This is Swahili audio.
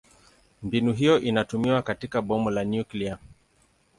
Mbinu hiyo inatumiwa katika bomu la nyuklia.